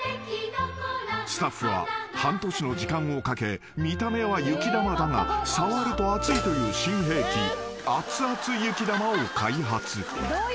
［スタッフは半年の時間をかけ見た目は雪玉だが触ると熱いという新兵器アツアツ雪玉を開発］